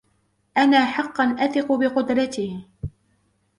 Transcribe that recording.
أنا حقاً أثق بقدرته.